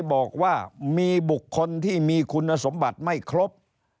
บอกว่ามีบุคคลที่มีคุณสมบัติไม่ครบ